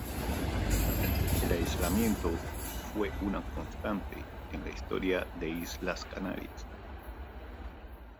El aislamiento fue una constante en la Historia de las Islas Canarias.